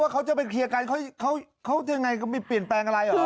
ว่าเขาจะไปเคียร์กันเขาจะเปลี่ยนแปลงอะไร